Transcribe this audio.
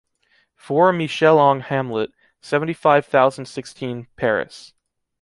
Four Michel-Ange Hamlet, seventy-five thousand sixteen, Paris